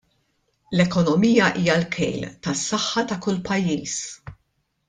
L-ekonomija hija l-kejl tas-saħħa ta' kull pajjiż.